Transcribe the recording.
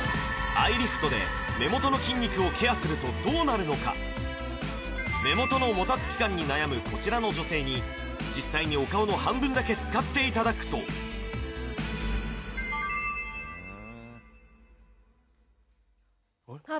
アイリフトで目元の筋肉をケアするとどうなるのか目元のもたつき感に悩むこちらの女性に実際にお顔の半分だけ使っていただくと・あれ？